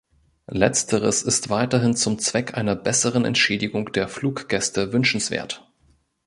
Letzteres ist weiterhin zum Zweck einer besseren Entschädigung der Fluggäste wünschenswert.